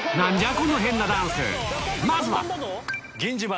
この変なダンスまずは！